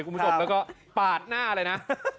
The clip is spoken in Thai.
คุณผู้ชมแล้วก็ปาดหน้าเลยนะ